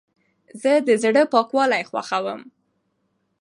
زه د زړه پاکوالی خوښوم.